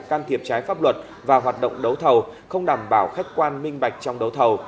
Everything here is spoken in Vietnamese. can thiệp trái pháp luật và hoạt động đấu thầu không đảm bảo khách quan minh bạch trong đấu thầu